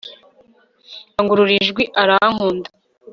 Rangurura ijwi arankunda